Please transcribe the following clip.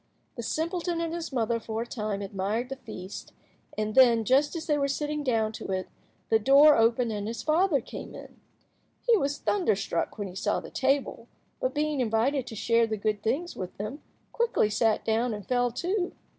The simpleton and his mother for a time admired the feast, and then, just as they were sitting down to it, the door opened and his father came in. He was thunderstruck when he saw the table, but, being invited to share the good things with them, quickly sat down and fell to.